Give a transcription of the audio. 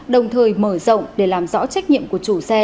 đồng thời mở rộng để làm rõ trách nhiệm của chủ xe